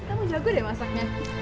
kamu jago deh masaknya